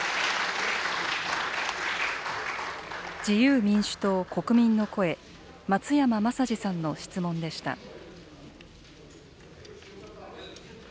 自由民主党・国民の声、松山政司さんの質問でした。